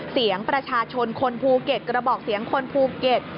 เสียงประชาชนคนภูเก็ตกระบอกเสียงคนภูเก็ต